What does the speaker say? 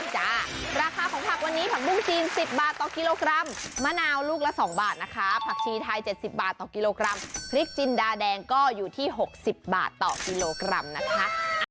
จริง๑๐บาทต่อกิโลกรัมมะนาวลูกละ๒บาทนะคะผักชีไทย๗๐บาทต่อกิโลกรัมพริกจินดาแดงก็อยู่ที่๖๐บาทต่อกิโลกรัมนะคะ